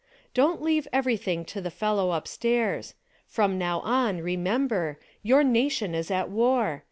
Don't leave everything to the fellow upstairs. From now on, remember : Your nation is at war